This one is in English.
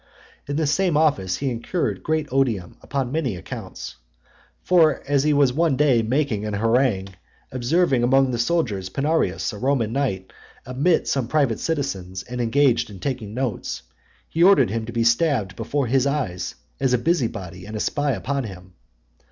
In this same office he incurred great odium upon many accounts. For as he was one day making an harangue, observing among the soldiers Pinarius, a Roman knight, admit some private citizens, and engaged in taking notes, he ordered him to be stabbed before his eyes, as a busy body and a spy upon him.